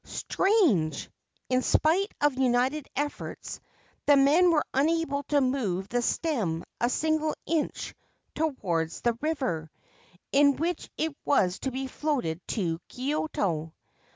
Strange ! In spite of united efforts, the men were unable to move the stem a single inch towards the river, in which it was to be floated to Kyoto.